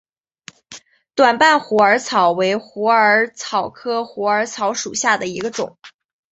短瓣虎耳草为虎耳草科虎耳草属下的一个种。